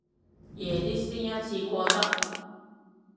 夜啲先一次過執